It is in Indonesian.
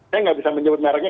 saya nggak bisa menyebut mereknya